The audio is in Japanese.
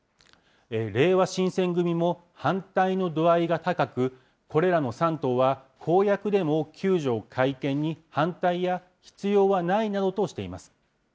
れいわ新選組も反対の度合いが高く、これらの３党は公約でも９条改憲に反対や必要はないなどとしています。